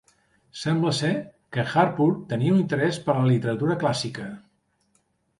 Sembla ser que Harpur tenia un interès per la literatura clàssica.